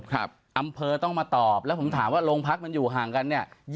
อำเภอต้องมาตอบแล้วผมถามว่าโรงพักมันอยู่ห่างกันเนี่ย